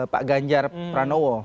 pak ganjar pranowo